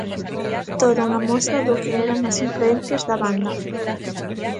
Toda unha mostra do que eran as influencias da banda.